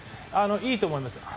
いいと思います。